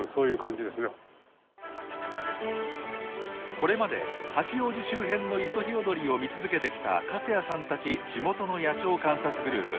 これまで八王子周辺のイソヒヨドリを見続けてきた粕谷さんたち地元の野鳥観察グループ。